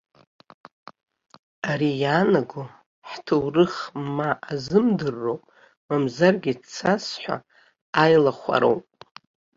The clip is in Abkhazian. Ари иаанаго ҳҭоурых ма азымдырроуп, мамзаргьы цасҳәа аилахәароуп.